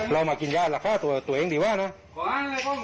อ๋อพอหลอกจิบคว้ยใช่ไหม